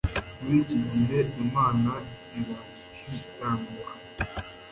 Muri iki gihe Imana irakiranuka